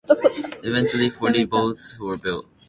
Eventually forty boats were built.